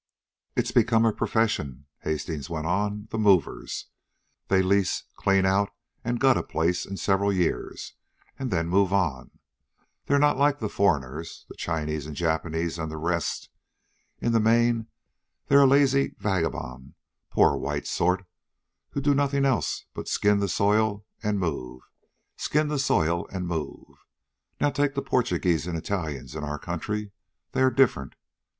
"It's become a profession," Hastings went on. "The 'movers.' They lease, clean out and gut a place in several years, and then move on. They're not like the foreigners, the Chinese, and Japanese, and the rest. In the main they're a lazy, vagabond, poor white sort, who do nothing else but skin the soil and move, skin the soil and move. Now take the Portuguese and Italians in our country. They are different.